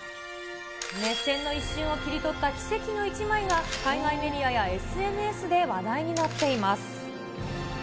熱戦の一瞬を切り取った奇跡の１枚が、海外メディアやＳＮＳで話題になっています。